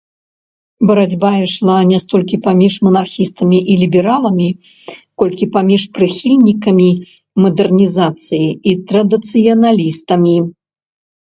Барацьба ішла не столькі паміж манархістамі і лібераламі, колькі паміж прыхільнікамі мадэрнізацыі і традыцыяналістамі.